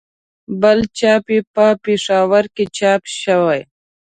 بل چاپ یې په پېښور کې چاپ شوی.